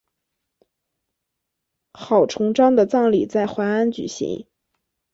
郝崇寿的葬礼在淮安举行。